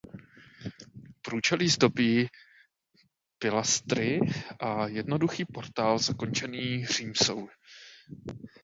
Průčelí zdobí pilastry a jednoduchý portál zakončený římsou.